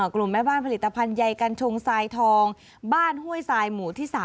กลุ่มแม่บ้านผลิตภัณฑ์ใยกัญชงทรายทองบ้านห้วยทรายหมู่ที่๓